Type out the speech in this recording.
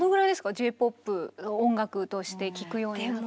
Ｊ−ＰＯＰ音楽として聴くようになったのは。